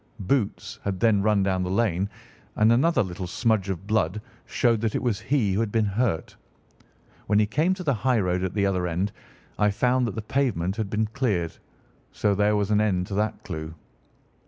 Boots had then run down the lane, and another little smudge of blood showed that it was he who had been hurt. When he came to the highroad at the other end, I found that the pavement had been cleared, so there was an end to that clue.